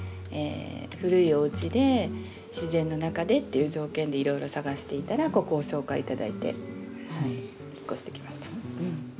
古いおうちで自然の中でっていう条件でいろいろ探していたらここを紹介頂いて引っ越してきました。